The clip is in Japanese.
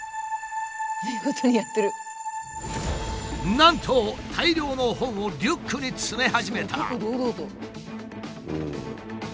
なんと大量の本をリュックに詰め始めた。